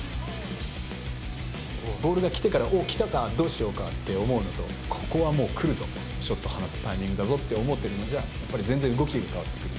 ボールが来てから、おっ、来たか、どうしようかって思うのと、ここはもう来るぞ、シュートを放つタイミングだぞって思ってるのじゃ、やっぱり全然動きが変わってくる。